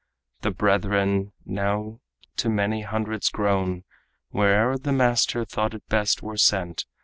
The brethren, now to many hundreds grown, Where'er the master thought it best were sent.